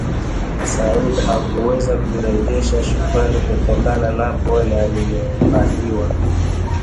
Sauda hakuweza kurejesha shukrani kutokana na pole aliyopatiwa